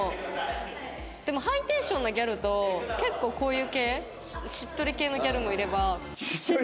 でもハイテンションなギャルと結構こういう系しっとり系のギャルもいれば。